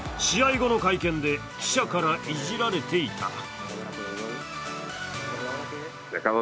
試合後の会見で記者からいじられていた。